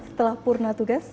setelah purna tugas